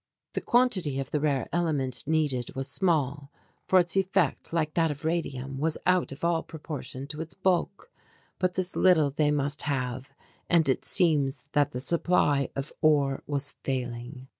The quantity of the rare element needed was small, for its effect, like that of radium, was out of all proportion to its bulk. But this little they must have, and it seems that the supply of ore was failing.